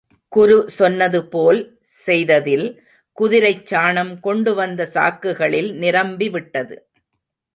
குரு சொன்னதுபோல் செய்ததில் குதிரைச் சாணம் கொண்டு வந்த சாக்குகளில் நிரம்பிவிட்டது.